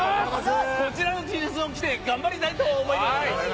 こちらのＴシャツを着て頑張りたいと思います。